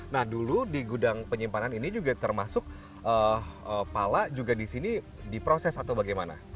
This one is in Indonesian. nah dulu di gudang penyimpanan ini juga termasuk pala juga di sini diproses atau bagaimana